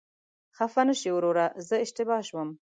خفه نشې وروره، زه اشتباه شوم.